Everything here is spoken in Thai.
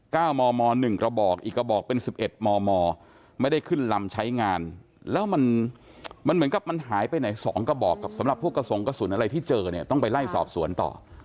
เก้ามอมอหนึ่งกระบอกอีกกระบอกเป็นสิบเอ็ดมมไม่ได้ขึ้นลำใช้งานแล้วมันมันเหมือนกับมันหายไปไหนสองกระบอกกับสำหรับพวกกระสงกระสุนอะไรที่เจอเนี่ยต้องไปไล่สอบสวนต่อ